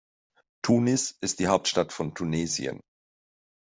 Tunis ist die Hauptstadt von Tunesien.